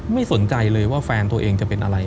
ไม่สนใจเลยว่าแฟนตัวเองจะเป็นอะไร